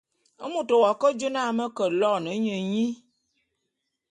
Môt w'ake jô na me ke loene nye nyi.